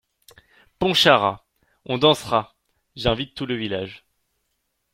Pontcharrat.- On dansera… j’invite tout le village.